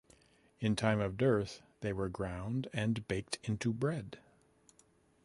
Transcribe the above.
In time of dearth, they were ground and baked into bread.